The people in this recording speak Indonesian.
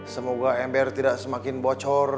semoga ember tidak semakin bocor